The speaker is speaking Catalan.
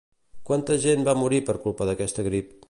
Quanta gent va morir per culpa d'aquesta grip?